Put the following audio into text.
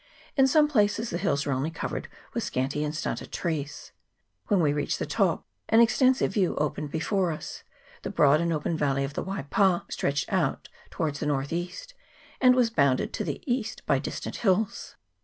In some places the hills are only covered with scanty and stunted trees. When we reached the top an extensive view opened before us : the broad and open valley of the Waipa stretched out towards the north CHAP. XXII.] VALLEY OF THE WAIPA. 313 east, and was bounded to the east by distant hills.